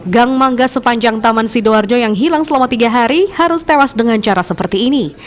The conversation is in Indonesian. gang mangga sepanjang taman sidoarjo yang hilang selama tiga hari harus tewas dengan cara seperti ini